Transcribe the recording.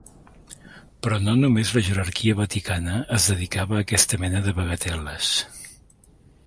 Però no només la jerarquia vaticana es dedicava a aquesta mena de bagatel·les.